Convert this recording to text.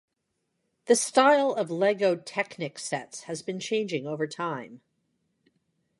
The style of Lego Technic sets has been changing over time.